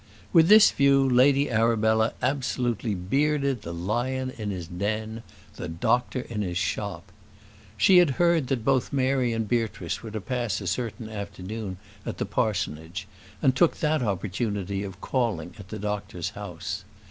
With this view Lady Arabella absolutely bearded the lion in his den, the doctor in his shop. She had heard that both Mary and Beatrice were to pass a certain afternoon at the parsonage, and took that opportunity of calling at the doctor's house.